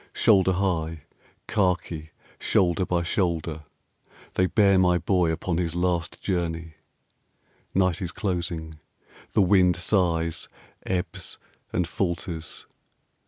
Shoulder high, khaki shoulder by shoulder, They bear my Boy upon his last journey. Night is closing. The wind sighs, ebbs, and falters....